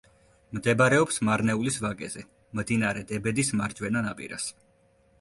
მდებარეობს მარნეულის ვაკეზე, მდინარე დებედის მარჯვენა ნაპირას.